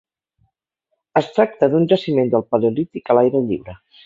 Es tracta d'un jaciment del Paleolític a l'aire lliure.